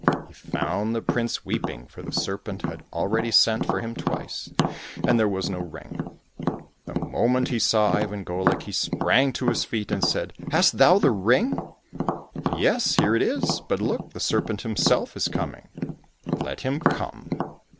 He found the prince weeping, for the serpent had already sent for him twice, and there was no ring. The moment he saw Ivan GoUk he sprang to his feet, and said, '' Hast thou the ring ?"" Yes, here it is ! But look ! the serpent himself is coming !"" Let him come